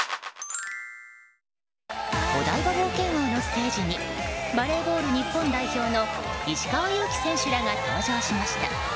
お台場冒険王のステージにバレーボール日本代表の石川祐希選手らが登場しました。